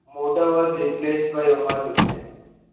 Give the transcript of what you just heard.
Mota was replaced by Omar Hussein.